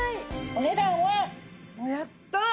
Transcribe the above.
お値段はやった！